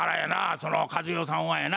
その和代さんはやな